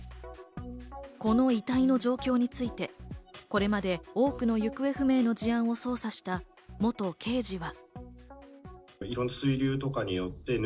この遺体の状況について、これまで多くの行方不明の事案を捜査した元刑事は。